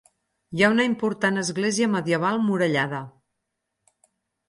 Hi ha una important església medieval murallada.